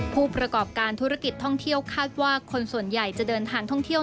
ผู้ประกอบการธุรกิจท่องเที่ยวคาดว่าคนส่วนใหญ่จะเดินทางท่องเที่ยว